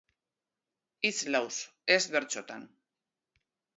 Hitz lauz, ez bertsotan.